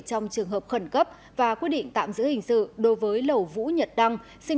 trong trường hợp khẩn cấp và quyết định tạm giữ hình sự đối với lẩu vũ nhật đăng